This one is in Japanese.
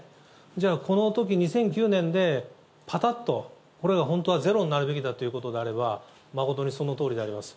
じゃあこのとき、２００９年でぱたっと、これが本当はゼロになるべきだということであれば、誠にそのとおりであります。